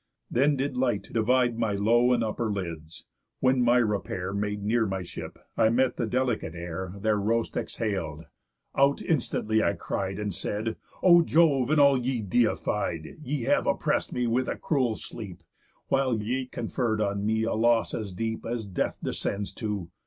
Then did light divide My low and upper lids; when, my repair Made near my ship, I met the delicate air Their roast exhal'd; out instantly I cried, And said: 'O Jove, and all ye Deified, Ye have oppress'd me with a cruel sleep, While ye conferr'd on me a loss as deep As Death descends to.